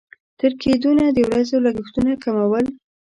تر کېدونه د ورځنيو لګښتونو کمول.